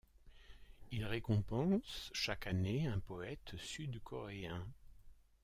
Il récompense chaque année un poète sud-coréen.